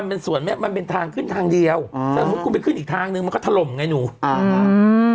มันเป็นสวนไหมมันเป็นทางขึ้นทางเดียวอืมแต่ถ้าคุณไปขึ้นอีกทางหนึ่งมันก็ทะลมไงหนูอืม